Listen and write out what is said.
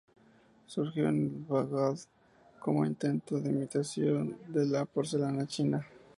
Surgió en el en Bagdad como intento de imitación de la porcelana china.